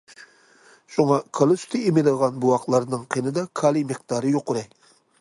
شۇڭا كالا سۈتى ئېمىدىغان بوۋاقلارنىڭ قېنىدا كالىي مىقدارى يۇقىرى.